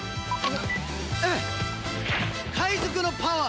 海賊のパワー！